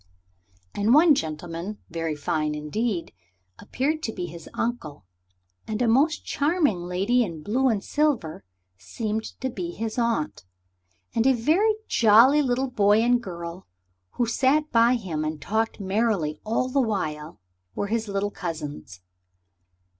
And one gentleman, very fine indeed, appeared to be his uncle, and a most charming lady in blue and silver seemed to be his aunt, and a very jolly little boy and girl who sat by him and talked merrily all the while were his little cousins.